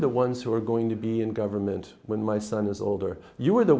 tôi nói rằng tôi có một con trai